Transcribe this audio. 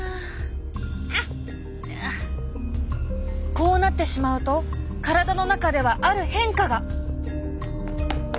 こうなってしまうと体の中ではある変化が！